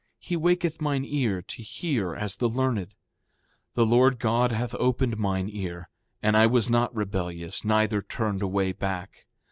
He waketh mine ear to hear as the learned. 7:5 The Lord God hath opened mine ear, and I was not rebellious, neither turned away back.